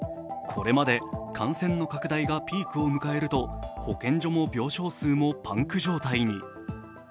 これまで、感染の拡大がピークを迎えると保健所も病床数もパンク状態に。